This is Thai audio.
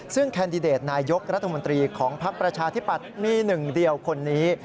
ซึ่งแคนดิเดตนายกรัฐมนตรีของภักดิ์ประชาธิปัตย์มีหนึ่งเดียวคนนี้